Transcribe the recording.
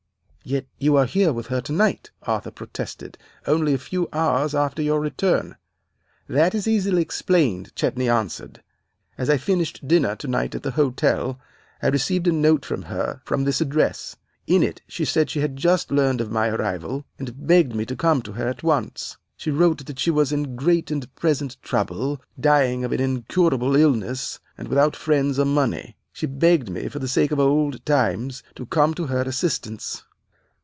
"'Yet you are here with her tonight,' Arthur protested, 'only a few hours after your return.' "'That is easily explained,' Chetney answered. 'As I finished dinner tonight at the hotel, I received a note from her from this address. In it she said she had but just learned of my arrival, and begged me to come to her at once. She wrote that she was in great and present trouble, dying of an incurable illness, and without friends or money. She begged me, for the sake of old times, to come to her assistance.